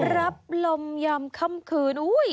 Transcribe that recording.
รับลมยามค่ำคืน